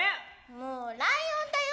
もうライオンだよ！